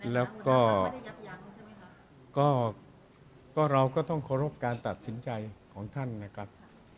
แล้วก็เราก็ต้องเคารพการตัดสินใจของท่านนะครับ